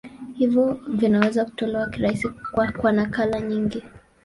Hivyo vinaweza kutolewa kirahisi kwa nakala nyingi.